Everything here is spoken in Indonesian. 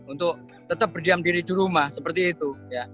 untuk tetap berdiam diri di rumah seperti itu